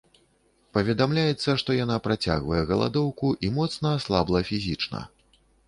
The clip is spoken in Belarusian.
Паведамляецца, што яна працягвае галадоўку і моцна аслабла фізічна.